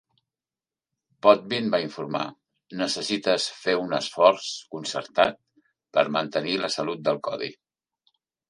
Potvin va informar, "Necessites fer un esforç concertat per mantenir la salut del codi.